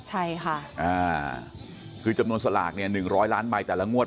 ใช่ค่ะอ่าคือจำนวนสลากเนี่ย๑๐๐ล้านใบแต่ละงวด